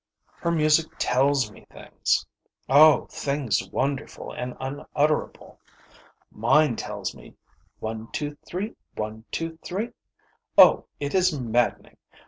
Her music tells me things oh, things wonderful and unutterable. Mine tells me, 'one two three, one two three.' Oh, it is maddening!